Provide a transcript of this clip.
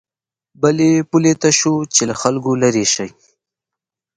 بلې پولې ته شو چې له خلکو لېرې شي.